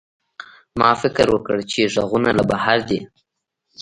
ما فکر وکړ چې غږونه له بهر دي.